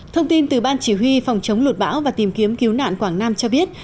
thông tin từ ban chỉ huy phòng chống lụt bão và tìm kiếm cứu nạn quảng nam cho biết